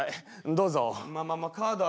どうぞ。